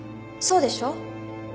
そうでしょ？